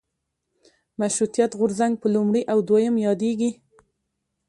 مشروطیت غورځنګ په لومړي او دویم یادېږي.